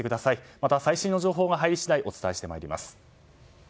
また、最新の情報が入り次第お伝えしてまいります。